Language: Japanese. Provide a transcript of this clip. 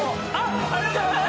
ありがとうございます。